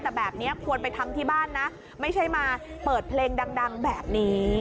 แต่แบบนี้ควรไปทำที่บ้านนะไม่ใช่มาเปิดเพลงดังแบบนี้